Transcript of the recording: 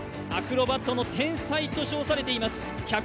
アクロバットの天才と称されています。